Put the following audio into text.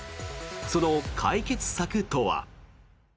その解決策とは。